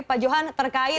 pak johan terkait